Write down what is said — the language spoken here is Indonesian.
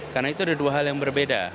karena itu ada dua hal yang berbeda